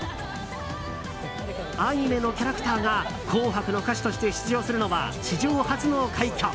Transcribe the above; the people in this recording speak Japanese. アニメのキャラクターが「紅白」の歌手として出場するのは史上初の快挙。